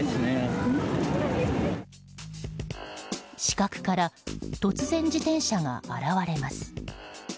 死角から突然、自転車が現れます。